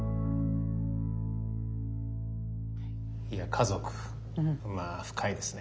家族まあ深いですね。